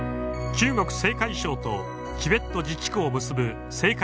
中国・青海省とチベット自治区を結ぶ青海